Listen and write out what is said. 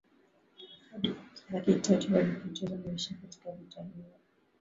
hadi laki tatu walipoteza maisha katika vita hiyo